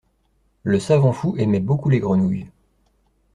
Le savant fou aimait beaucoup les grenouilles.